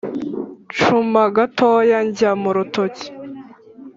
Ncuma gatoya njya mu rutoki